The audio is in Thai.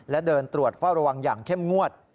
และเดินตรวจเฝ้าระวังอย่างเข้มงวด